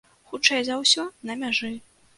Хутчэй за ўсё, на мяжы.